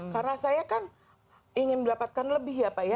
karena saya kan ingin mendapatkan lebih ya pak ya